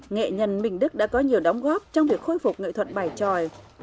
nghệ nhân minh đức đã có nhiều đóng góp trong việc khôi phục nghệ thuật bài tròi